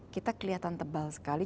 kita kelihatan tebal sekali